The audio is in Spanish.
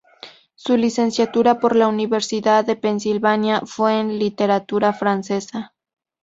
Su licenciatura, por la Universidad de Pensilvania, fue en literatura francesa.